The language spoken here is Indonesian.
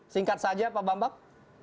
singkat saja pak bambang